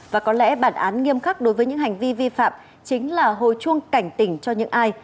và có lẽ bản án nghiêm khắc đối với những hành vi vi phạm chính là hồi chuông cảnh tỉnh cho những ai